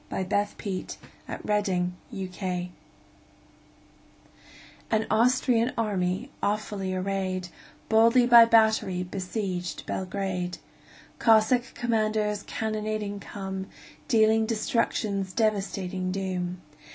Y Z The Siege of Belgrade AN Austrian army, awfully arrayed, Boldly by battery besieged Belgrade. Cossack commanders cannonading come, Dealing destruction's devastating doom.